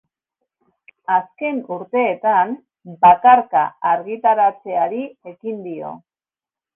Azken urteetan, bakarka argitaratzeari ekin dio.